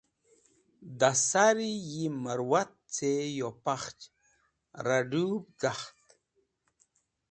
Da sari yi mẽrwat ce yo pakhch radũwẽb j̃akht.